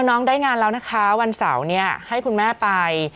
น้องได้งานแล้วนะคะวันเสาร์เนี่ยให้คุณแม่ไป